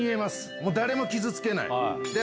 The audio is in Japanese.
もう誰も傷つけない。